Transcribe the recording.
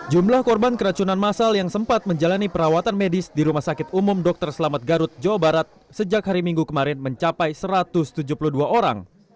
jumlah korban keracunan masal yang sempat menjalani perawatan medis di rumah sakit umum dr selamat garut jawa barat sejak hari minggu kemarin mencapai satu ratus tujuh puluh dua orang